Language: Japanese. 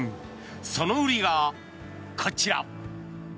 その売りがこちら。